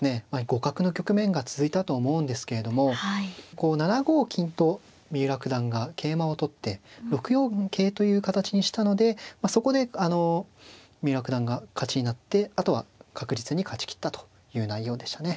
互角の局面が続いたと思うんですけれども７五金と三浦九段が桂馬を取って６四桂という形にしたのでそこで三浦九段が勝ちになってあとは確実に勝ちきったという内容でしたね。